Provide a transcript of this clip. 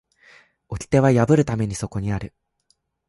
掟は破るためにそこにある